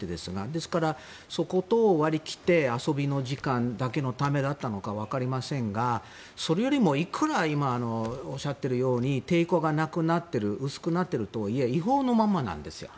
ですから、そこと割り切って遊びの時間だけのためだったのかわかりませんがそれよりも、いくら今おっしゃっているように抵抗がなくなっている薄くなっているとはいえ違法のままなんですよ。